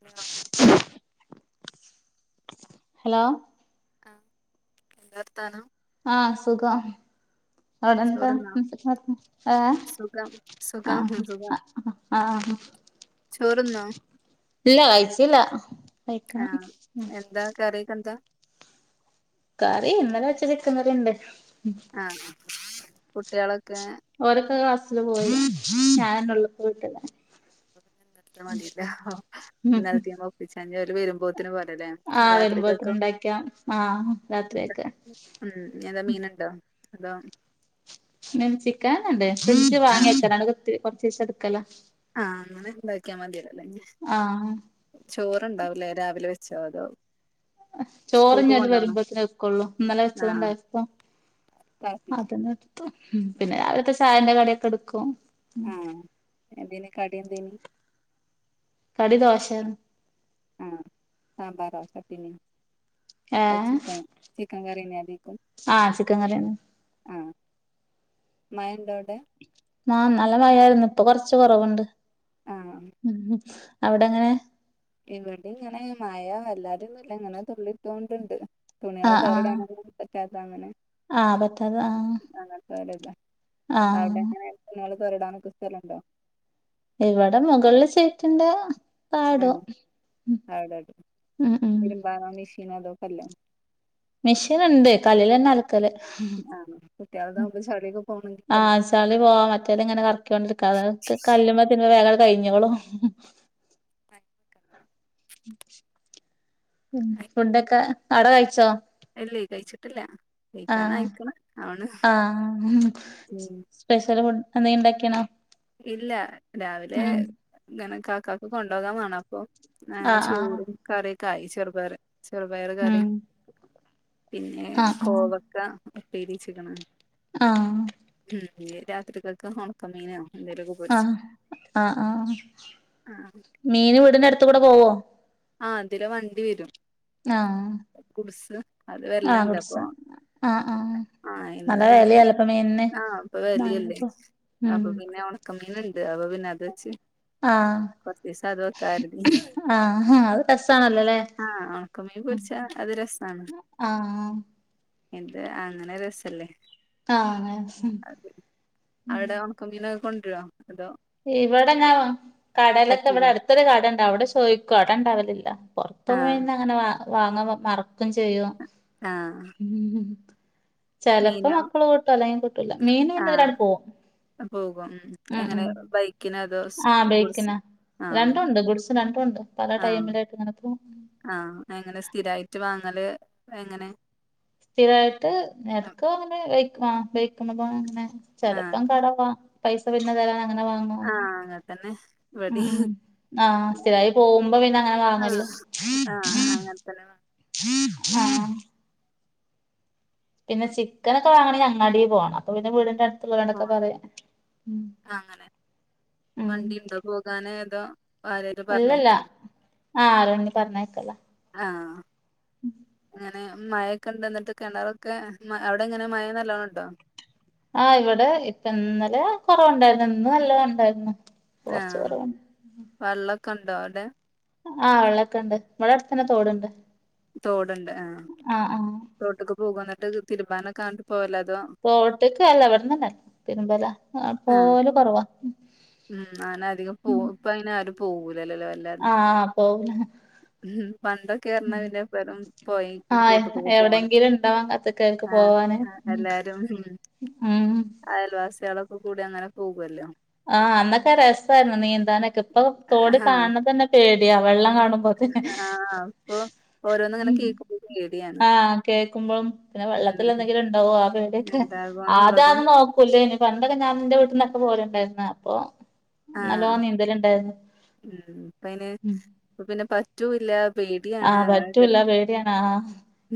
Hello hello ആഹ് എന്താറ്ത്താനം ആഹ് സുഖം അവിടെന്താ ചോറുന്നോ [unintelligible] ആഹ് സുഖം സുഖം ആഹ് ആഹ് ഉം ചോറ്ന്നോ ഇല്ല കഴിച്ചില്ല കഴിക്കണം ആഹ് എന്താ കറിക്കെന്താ കറി ഇന്നലെ വെച്ച ചിക്കങ്കറിണ്ട് ആണോ കുട്ട്യേളെക്കെ ഓരൊക്കെ ക്ലാസ്സില് പോയി ഞാന [unintelligible] [inaudible] ഇന്നൽത്തീമെ ഒപ്പിച്ചഞ്ഞ അവര് വരുമ്പോ [unintelligible] പോരലെ ആഹ് വരുമ്പോത്തിന് രാത്രികക്കൊ ഉണ്ടാക്കിയാ ആഹ് രാത്രിയൊക്കെ ഉം എന്താ മീന അതാ അതൊ മി ചിക്കനൊക്കെ [unintelligible] ണ്ട് ഫ്രിഡ്ജ് ആഹ് വാങ്ങ്യക്കലാണ് കൊറ്ച്ചീസം ഇട്ക്കല ആഹ് അങ്ങനെ ഉണ്ടാക്കിയാ മത്യല്ലൊല്ലേ ആഹ് ചോറുണ്ടാവുലേ രാവിലെ വെ ച്ചോ തോ ചോറ്ഞ്ഞല് വരുമ്പോത്ത്ന് വെക്കൊള്ളൂ ഇന്നലെ ആഹ് വെച്ചത്ണ്ടായ പ തെളപ്പിച്ച് അതന്നെത്തും പിന്നെ രാവില്ത്തെ ചായന്റെ കട്യക്കെ ഇട്ക്കും ആഹ് എതിന് കട്യന്തേനു കടി ദോശേണ് ആഹ് സാമ്പാറൊ ചട്ടിനി അഹ് ഏഹ് ചിക്കൻ ചിക്കൻ കറിന്നെയതിക്കും ആഹ് ചിക്കൻ കറിയാണ് ആഹ് മയന്തോ ആന്നല്ല മഴായിരുന്നു ഇപ്പൊ കൊറച്ച് കൊറവ്ണ്ട് ആഹ് അവിടെങ്ങനെ ഇവിടിം ഇങ്ങനെ മഴ വല്ലാതിന്നുല്ല ഇങ്ങനെ തുള്ളിട്ടോണ്ട്ണ്ട് തുണികള ആഹ് ആഹ് തോരടാണൊന്നും പറ്റാത്ത അങ്ങനെ ആഹ് പറ്റത ആഹ അല്ല അവിടെ എങ്ങനെ നിങ്ങൾ തോരടാാനൊക്കെ സ്ഥലുണ്ടോ? ഇവിടെ മുകളിൽ ചേട്ടുണ്ടാ ആഹ അവിടട്ട് ഉം ഉം വെരുമ്പാ മെഷീൻ അതോൊക്കെല്ലോ മെഷീൻുണ്ട് കല്ലിലഞ്ഞേ അല ആഹ കുട്ടികളതാകുമ്പോ ചളിയൊക്കെ പോകോ ആ ചളി പോവാൻ മറ്റേത് ഇങ്ങനെ കറക്കിക്കൊണ്ടിരിക്കക്ക് കല്ലുമ്മെ തിരുമ്പുമ്പോ കഴിഞ്ഞോളും മക്കണ്ട [inaudible] ഉ [inaudible] ഉ ഫുണ്ടൊക്കെ അടേ കഴിച്ചോ ല്ലയ് കഴിച്ചിട്ടില്ല ആഹ കഴിക്കാനായിക്ക്ണ് ആണ് ആഹ ഉം സ്പെഷ്യൽ ഫു അതയ്ണ്ടാക്കിയണോ ഇല്ല രാവിലെ ഇങ്ങനെ കാക്കക്ക് കൊണ്ടോകാൻ വേണം അപ്പൊ അങ്ങനെ ആഹ് ആഹ് ചോടും കറിയൊക്കെ ആയി ചെറുപ്പർ ചെറുപയർ കറി ഉം പിന്നെ ആഹ് ആഹ് കോവക്ക ഉപ്പേരിച്ചിക്കണ് ആഹ് ഹം രാത്രരി കക ഹണ കമിനാ ആഹ ആഹ് ആഹ ആഹ് മീന് വീടിന്റെ അടുത്ത കൂടെ പോവോ? ആ അതില വണ്ടി വരും ആഹ് കുടുസ ആഹ് കുടസ ആഹ് ആഹ ആഹ് ഇന്ന് നല്ല പിന്നെ വലല്ലപ്പ മീൻന് ആഹ് ഇപ്പൊ വെലിയല്ലേ മഴപ്പൊ അപ്പൊ പിന്നെ ഉണക്കമീന്ന് അതച്ചെ ആഹ കൊറച്ചീസം അത് വെക്കാർന്നു അത് രസാണല്ലോല്ലേ ആഹ ഉണക്കമ ച്ച അത് രസമാണ് ആഹ് എന്ത് അങ്ങനെ രസല്ലേ ആഹ് അങ്ങനെ അത ഉം അവിടെ ഉണക്ക മീനൊക്കെ കൊ ഇവിടെ ഞാൻ കടലൊക്കെ പറ്റൂല ഇവിടെ അടുത്തൊരു കടുണ്ടാവും അവിടെ ചോദിക്കു അട ഇണ്ടാവലില്ല പൊറത്ത ആഹ് വന്ന് അങ്ങനെ വ വാങ്ങ മറക്കും ചെയ്യും ആഹ് ചിലപ്പോ മീനോ മക്കള് കൂട്ടും അല്ലെങ്കിൽ കൂട്ടൂല മീൻീന്ത ആഹ് ഒരാൾ പോകും പോകും ഉ എങ്ങനെ ബൈക്കിന് അതോ സ് സ് ആ രണ്ടുണ്ട് ആഹ ആഹ എങ്ങനെ സ്ഥിരായിട്ട് വാങ്ങല് എങ്ങനെ? സ്ഥിരായിട്ട് നിരക്കും അങ്ങനെ വക്കും ആ വെയക്കുന്ന പോ അങ്ങനെ ആഹ് ചെലപ്പം കടവാ പൈസ പിന്നെ തരാ അങ്ങനെ വാങ്ങാതെ ആഹ് അങ്ങൻത്തന്നെ ഇവടിം സ്ഥിരായി പോകുമ്പോ പിന്നെ അങ്ങനെ ആഹ് വാങ്ങല്ലോ ആഹ് അങ്ങനത്തന്നെ ആഹ് പിന്നെ ചിക്കനൊക്കെ വാങ്ങണേൽ അങ്ങാടി പോകണം അപ്പൊ പിന്നെ വീടിന്റെ അടു ത്തുള്ളോരോടൊക്കെ പോണം പറയാ ഉം അങ്ങനെ ഉം തോ ആരേലും ഇല്ലല്ല പറഞ്ഞയക്കും ആഹ് ആരെയെങ്കിലും പറഞ്ഞേക്കുംല്ലേ ആഹ് ഉം അങ്ങനെ മഴൊക്കെ ഉണ്ട്ന്നിട്ട് കിണറൊക്കെ അവിടെ എങ്ങനെ മഴ നല്ലോണണ്ടോ? ആഹ് ഇവിടെ ഇപ്പ ഇന്നലെ കൊറവുണ്ടായിരുന്നു ഇന്ന് നല്ലത ഉണ്ടായിരുന്നു കൊറച്ച് ആഹ് കൊറവുണ്ട് വെള്ളൊക്കെ ഉണ്ടോ അവിടെ? അ വെള്ളക്കെ ഇണ്ട് ഇവിടെ അടുത്തന്നെ തോടുണ്ട് തോടുണ്ട് അ ആഹ് ആഹ് തോട്ടിക് പോകോ എന്നിട്ട് തിരുമ്പാനൊക്കെ ആന്നിട്ട് പോവല്ല തൊട്ട്ക്കല്ല എവിടന്നന്നെ തിരുമ്പല ആഹ് പോവൽ കൊറവാ ഉം അങ്ങനെ അധികം പോ ഇപ്പ അയിന് ആരും പോകൂലല്ലോ വല്ലാതെ ആപോകുന്ന പണ്ടൊക്കെ പറഞ്ഞാ പിന്നെ എപ്പഴും പോയിക്കും ആഹ് തോട്ടീക്കൊക്കെ പോണം എവിടെങ്കിലും ഇണ്ടാവാൻ കാത്ത്ക്കായിരിക്കും ആഹ് പോവാന് എല്ലാരും ഉം കുട്ടികളൊക്കെ കൂടി അങ്ങനെ പോകുവല്ലോ ആ അന്നൊക്കെ രസമായിരുന്നു നീന്താനക്കെ ഇപ്പൊ തോട് ആഹ് കാണണ തന്നെ പേടിയാ വെള്ളം കാണുമ്പോതിന്ന് ആ അപ്പൊ ഓരോന്ന് ഇങ്ങനെ കേക്കുന്നില്ലേ ആ കേൾക്കുമ്പോ പിന്നെ വെള്ളത്തി ഉം എന്തെങ്കിലും ഉണ്ടാവോ പേടിക്കെ എന്താകുവന്നുള്ളതും ആതാന്ന് നോക്കൂല്ലേന്ന് പണ്ടൊക്കെ ഞാൻ എന്റെ വീട്ടന്നൊക്കെ പോകലുണ്ടായിരുന്ന് അപ്പൊ ആ നല്ലോണം നീന്തലുണ്ടായിരുന്നു ഉം ഇപ്പയിന് ഇപ്പൊ പിന്നെ പറ്റുംല്ല ആ പറ്റൂല്ല പേടിയാണ് ആഹ്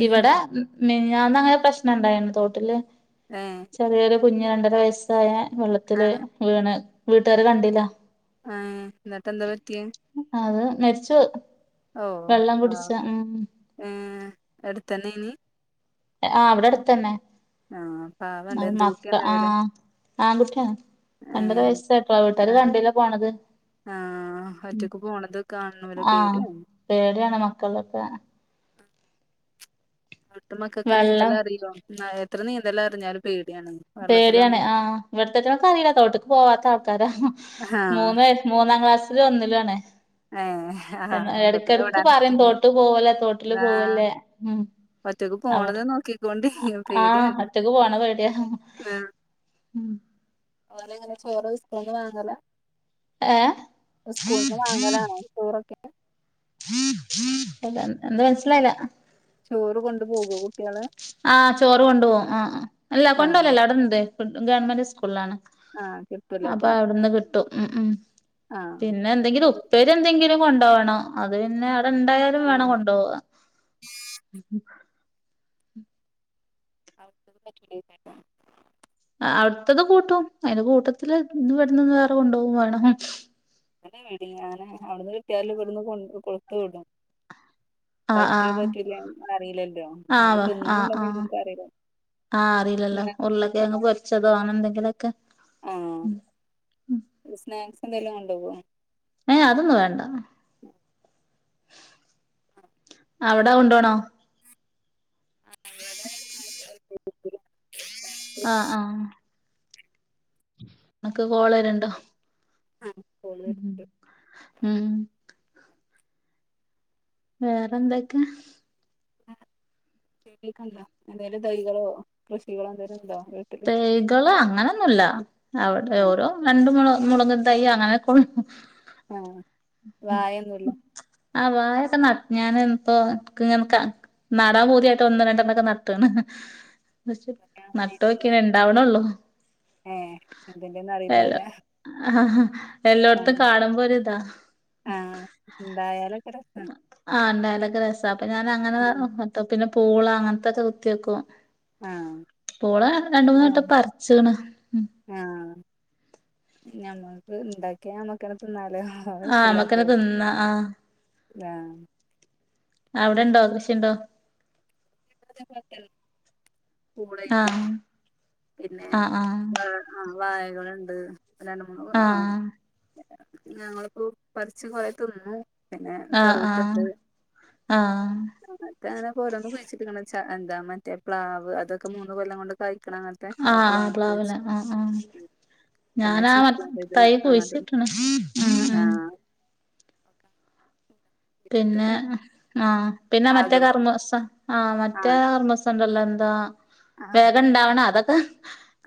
ഇവിടെ മെ ഞാനന്ന അങ്ങനെ പ്രശ്ന ഇണ്ടായിരുന്നു തോട്ടില് ഏഹ് കുഞ്ഞു രണ്ടര വയസ്സായ വെള്ളത്തില് ആഹ് വീണ് വീട്ടുകാര് കണ്ടില്ല ആഎന്നിട്ട എന്താ പറ്റിയ അത് മരിച്ചു ഓ വെള്ളം കുടിച്ച പാവം ഉം ഏടുത്തന്നെ നി ആ അവിടെ അടുത്ത തന്നെ ആഹ് പാവല്ലേ അഹ് എന്ത് മക്ക കുട്ടിയാന്നാവല്ലേ ആഹ് ആൺകുട്ടിയാണ് രണ്ടര ഏഹ് വയസ്സായിട്ടോ വീട്ടാര് ആഹ് കണ്ടില്ല പോണത് ആഹ് ഉം ഒറ്റക്ക് പോണത് കാണുന്ന വര് ആഹ് പേടിയാണ് പേടിയാണ് മക്കളൊക്കെ ആഹ് ഇവിടുത്തെ മക്കൾക്ക് നീന്തല വെള്ളം അറീലോ എത്ര നീന്തല അറിഞ്ഞാലും പേടി പേടിയാണ് ആഇവിടത്തെറ്റങ്ങൾ ക്ക് അറിയില്ല തോട്ട്ക്ക് പോവാത്ത ആൾക്കാരാ ആഹ് മൂന്ന് മൂന്നാം ക്ലാസ് ലും ഒന്നിലും ആണ് ഏഹ് ആഹ് എന്നാ അപ്പത്തന്നെ ഇടക്കിടക്ക് വിടാൻ പറയും പറ്റില്ല തോട്ട് പോവല്ലെ തോട്ടില് ആഹ് പോവല്ലേ ഉം ഒറ്റക്ക് പോണതെ അവർക്ക് നോക്കിക്കൊണ്ടി ആഹ് പേടിയാണ് ഒറ്റക്ക് പോണ പേടിയാ ഓനങ്ങനെ ചോറ് സ്കൂളിന് വാങ്ങല വാങ്ങലാണോ ഏഹ് ചോറൊക്കെ എന്ത മനസലായില്ല ചോറ് കൊണ്ടു പോകൂവൊ കുട്ടികള് ആ ചോറ് കൊണ്ട്പോകും അ അല്ല കൊണ്ട് ആഹ് പോകലല്ല അവിടെണ്ട് ഗവൺമെന്റ് സ്കൂളിലാണ് ആഹ് കിട്ടൂലേ അപ്പൊ അവിടുന്ന് കിട്ടും ഉ ഉം ആഹ് പിന്നെ എന്തെങ്കിലും ഉപ്പര് എന്തെങ്കിലും കൊണ്ടവണം അത് പിന്നെ അവിടെ ഇണ്ടായാലും വേണം കൊണ്ടവാ [unintelligible] അവിടുത്തത് കൂട്ടും അതിന്റെ കൂട്ടത്തില് ഇദ് ഇവിടന്ന്ന്ന് വേറെ കൊണ്ടുപോവും വേണം നാണങ്ങനെ ഞാൻ അവിടുന്ന് കിട്ടിയാലും ഇവിടുന്ന് കൊ കൊടുത്തു വിടും ആഹ് പറ്റോ ആഹ് പറ്റൂല അറിയില്ലല്ലോ ഓല് തിന്നലുണ്ടോ പ്പ നമ്മക് അറിയില്ല ആഅറിയില്ലല്ലോ ഉറളകിഴങ് പൊരിചതും അങ്ങനെ എന്തെങ്കിലൊക്കെ ആഹ് സ്നാക്സ് എന്തെലും കൊണ്ടുവേ ഹെ അതൊന്നും വേണ്ട അവിട കോണ്ടോണോ ആ ഇവിടെ [unintelligible] ആ ആ ങ്ങക്ക് കോളരുണ്ടോ ഉ ഉ വേറെന്തൊക്കെ [inaudible] എന്തേലും തൈകളോ കൃഷികളോ എന്തോലും ഉണ്ടോ വീട്ടില് തൈകള് അങ്ങനൊന്നൂല്ല അവിടെ ആഹ് ഓരോ രണ്ട് മൂ മുളക് തൈ അങ്ങനെ കൊ ആഹ് വായൊന്നൂല്ല ആഹ് വായൊക്കെ ഞാൻ ഇപ്പോ എക്ക് ഇങ്ങനക് നടാൻ പൂതിയായിട്ട് ഒന്ന് രണ്ടെണ്ണൊക്കെ നട്ട്ണ് പക്ഷ ണ്ടാവണേള്ളൂ ഏഹ് എന്തൊക്കെന്നറിയണ്ടാവൂലെ എല്ലായിടത്തും കാണുമ്പോ ഒരു ഇതാ ആഹ് ഇണ്ടായാലൊക്കെ രസാ ആ ണ്ടായാലൊക്കെ രസാ അപ്പൊ ഞാനങ്ങനെ നട്ട [unintelligible] പൂള അങ്ങനത്തൊക്കെ കുത്തി വക്കും ആഹ് പൂള രണ്ട് മൂന്ന് വട്ടം പറിച്ച്ണ് ആഹ് ഞമ്മക്ക് ഇണ്ടാക്കിയാ നമ്മക്കന്നെ തിന്നാ ആഹ് നമക്കന്നെ തിന്ന ആഹ് ആഹ് അവിടെണ്ടോ കൃഷിണ്ടോ [inaudible] പൂളായിറ്റും ആഹ് പിന്നെ ആഹ് ആഹ് വാ ആ വായകളുണ്ട് രണ്ട് മൂന്ന് ആഹ് ഞങ്ങളിപ്പോ പറിച്ചും കൊറേ തിന്നു പിന്നെ ആഹ് ആഹ് കറുവത്തുണ്ട് ആഹ് അങ്ങനെ പോരോന്നും കഴിച്ചിക്ക്ണ് എന്താ മറ്റേ പ്ലാവ് അതൊക്കെ മൂന്ന് കൊല്ലം കൊണ്ട് കായ് ക്കണങ്ങത്തെ ആഹ് അതൊക്കെ ആഹ് പ്ലാവില വാങ്ങിച്ച് ആഹ് ആഹ് ഉം ഞാനാ മറ്റ് തൈ കുഴിച്ചിട്ടണ് ഓക്കെ പിന്നെ ആഹ് പിന്നെ മറ്റേ ആകണൊള്ളൂ കർമ്മസ ആഹ് ആ മറ്റേ കർമ്മസ ഉണ്ടല്ലോ ന്താ ആ വേഗം ഇണ്ടാവണ അതൊക്കെ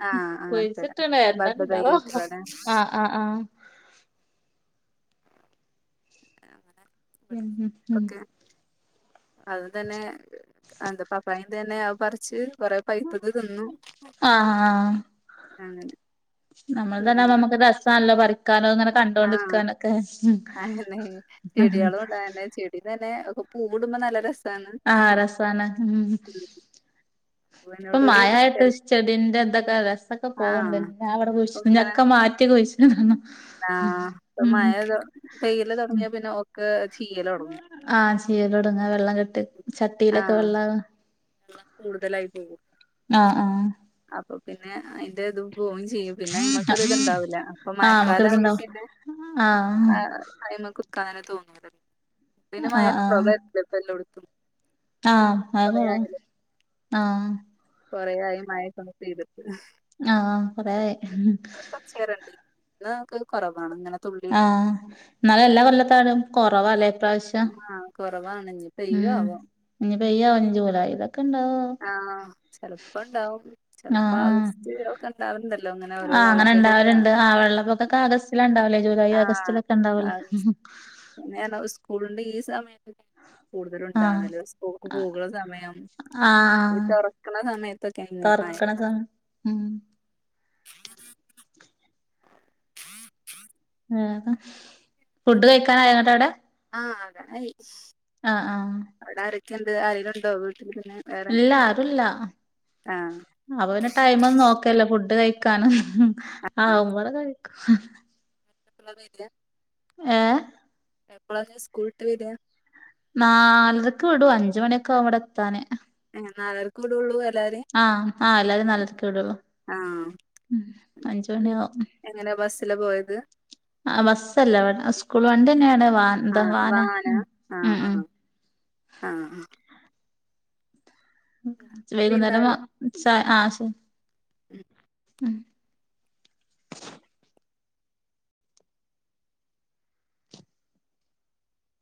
ആ അങ്ങനത്തെ കുഴിച്ചിട്ട്ണ് ബഡ് തൈ ന്തണ്ടോ ആയിട്ടുള്ളതേ ആ ആ ആ [inaudible] ഉം ഉം ഉം അതും തന്നെ എന്താ പപ്പായ തന്നെ അവ പറിച്ച് കൊറെ പൈപ്പ് അത് തിന്നു ആഹ് ആഹ് അങ്ങനെ നമ്മൾ തന്നാവുമ്പ തിന്നണ് നമുക്ക് രസാല്ലോ പറി ക്കാനോ ഇങ്ങനെ ആഹ് കണ്ടോണ്ടിരിക്കാനൊക്കെ അങ്ങനെ അതങ്ങനെ ഒക്കെ പൂവിടുമ്പോ നല്ല രസ് ആഹ് രസാണ് ഉം [unintelligible] ഇപ്പൊ മയായിട്ട് ഇഷ്ടല്ല ചെടിന്റെ തൊക്കെ രസൊക്കെ പോകണ്ട് ആഹ് ഞാവിടെ അപ്പൊ കുഴിച്ച ഇങ്ങനെ [unintelligible] മാറ്റി കുഴിച്ച് ആഹ് മഴ പെയ്യൽ തുടങ്ങിയ പിന്നെ ഒക്കെ ചീയല് തുടങ്ങും ആഹ് ചീയൽ തുടങ്ങ വെള്ളം കെട്ടി ചട്ടിയിലൊക്കെ ആഹ് വെള്ളാവാ കൂടുതലായി പോകും ആഹ് അപ്പൊ പിന്നെ അതിന്റെ ഇതും പോവേം ചെയ്യും പിന്നെ അയ്മ്മക്കൊരിത്ണ്ടാവില്ല അപ്പൊ ആഹ് നമുക്ക് മഴക്കാലം ആവുമ്പ ഇടുന്നുണ്ടാവും പിന്നെ ആഹ് അയ്മകുക്കനെ തോന്നൂല്ല പിന്നെ ആഹ് ആഹ് മയപ്പല്ലടുത്തും ആഹ് ആക് ആഹ് കൊറെയായി മയക്കെ പെയ്തു ആഹ് കൊറേയായി കൊറച്ചേരണ്ട് ഇന്ന് ഞങ്ങൾക്ക് കുറവാണ് ആ എന്നാലും എല്ലാ കൊല്ലത്തേലും കൊറവാല്ലേ ഇപ്രാവശ്യം ആഹ് കുറവാണ് ഇനി പെയ്യോ ഉം ആവോ ഇനി പെയ്യാവോ ഇനി ജൂലൈയിലൊക്കെ ഇണ്ടാവോ ആഹ് ചെലപ്പണ്ടാവും ചെലപ്പൊ അത് ഒക്കെ ഉണ്ടാവുന്ന ആ അങ്ങനെ എല്ലാവരുണ്ട് ആ വെള്ളപ്പൊകാക്ക ആഗസ്റ്റില ഉണ്ടാവലേ ജൂലൈ ആഗസ്റ്റിലൊക്കെ ഉണ്ടാവലേ നോന സ്കൂളിണ്ട് ഈ സമയം കൂടുതല ആഹ് ഉണ്ടവുന്നത് സ്കൂക്ക് ആഹ് പോകുന്ന സമയം ഈ തുറക്കണ സമയത്ത് തുർക്കണ സമയ ഉം [unintelligible] ആഹാ ഫുഡ് കഴിക്കാനായങ്ങാട്ടാവിടെ ആഹ് അതായി ആ ആ കേന്ത് ആരെലുണ്ടോവി ഇല്ലല്ല ആരുല്ല ആഹ് അപ്പൊ പിന്നെ ടൈമം ഒന്നും നോക്കില്ല ഫുഡ് കഴ ക്കാണ് ആ ആഹ് [unintelligible] കഴിക്കും [unintelligible] ഏ എപ്പോളാണ് ഞാൻ സ്കൂൾവിട്ട് വര നാലരക്ക് വിടു അഞ്ച് മണിയൊക്കവും വിടെ എത്താന്ന് നല്ലരക്കു വീടോള്ളൂ ആഹ് ആഹ് എല്ലാരും നല്ലരാക്ക് വിടുള്ളൂ ആഹ് ഉം അഞ്ചുമണിയാവും പിള്ള പോയത് ആ ബസ്സല്ല സ്കൂൾ വണ്ടി തന്നെയാണ് വാൻ എന്താ വാന ഉം ആ ഉം ആ ഉം ആ ആ വൈകുന്നേരം ആ എന്നാല് ചാ ശെരി [unintelligible] ഉം [unintelligible]